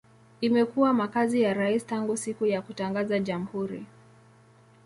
Imekuwa makazi ya rais tangu siku ya kutangaza jamhuri.